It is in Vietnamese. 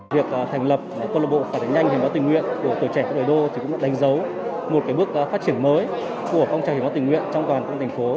hiến máu tình nguyện của tuổi trẻ của đời đô cũng đánh dấu một bước phát triển mới của công trang hiến máu tình nguyện trong công an thành phố